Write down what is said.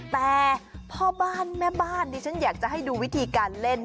แต่พ่อบ้านแม่บ้านดิฉันอยากจะให้ดูวิธีการเล่น